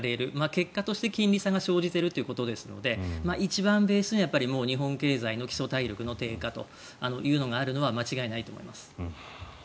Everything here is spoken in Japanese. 結果として金利差が生じているということですので一番ベースには日本経済の基礎体力の低下というのがあるのは間違いないと思います。